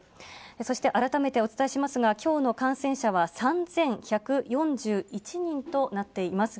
そして、改めてお伝えしますが、きょうの感染者は３１４１人となっています。